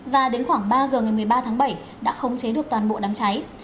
và đến khoảng ba giờ ngày một mươi ba tháng bảy đã khống chế được toàn bộ đám cháy